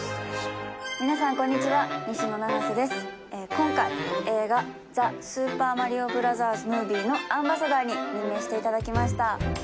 今回映画『ザ・スーパーマリオブラザーズ・ムービー』のアンバサダーに任命していただきました。